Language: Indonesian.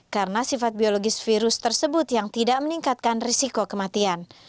karena sifat biologis virus tersebut yang tidak meningkatkan risiko kematian